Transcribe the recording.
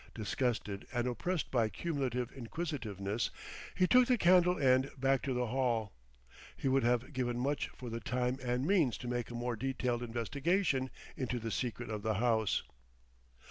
Disgusted and oppressed by cumulative inquisitiveness, he took the candle end back to the hall; he would have given much for the time and means to make a more detailed investigation into the secret of the house.